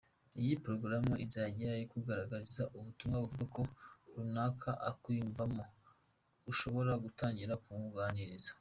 Iyi porogaramu izajya ikugaragariza ubutumwa buvuga ko runaka akwiyumvamo ushobora gutangira kumuganiriza.